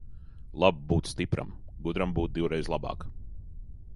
Labi būt stipram, gudram būt divreiz labāk.